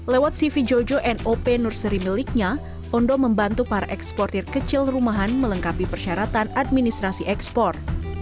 lewat cv jojo nop nursery miliknya ondo membantu para eksportir kecil rumahan melengkapi persyaratan administrasi ekspor